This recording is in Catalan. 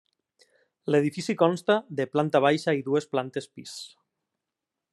L'edifici consta de planta baixa i dues plantes pis.